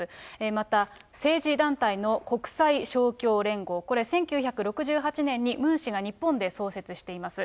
また、政治団体の国際勝共連合、これ、１９６８年にムン氏が日本で創設しています。